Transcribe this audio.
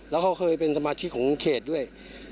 แล้วเขาเคยเป็นสมาชิกของเขตด้วย